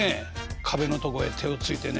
壁のとこへ手をついてね